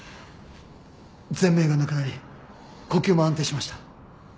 ぜん鳴がなくなり呼吸も安定しました。